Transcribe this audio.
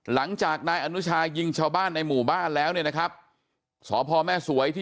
หลังจากนายอนุชายิงชาวบ้านในหมู่บ้านแล้วเนี่ยนะครับสพแม่สวยที่